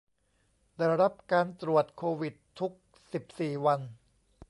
ได้รับการตรวจโควิดทุกสิบสี่วัน